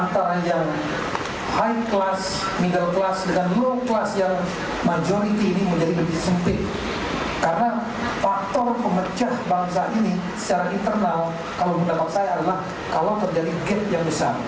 tidak ada jalan yang bisa diperlukan